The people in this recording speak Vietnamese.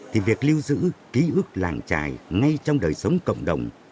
thì việc lưu giữ ký ức làng trài ngay trong đời sống cộng đồng